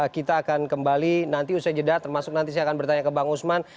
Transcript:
kita akan kembali nanti usai jeda termasuk nanti saya akan bertanya ke bang usman